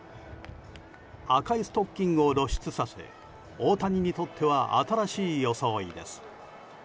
赤いストッキングを露出させて大谷にとっては新しい装いです。